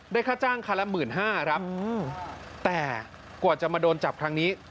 ค่าจ้างคันละ๑๕๐๐ครับแต่กว่าจะมาโดนจับครั้งนี้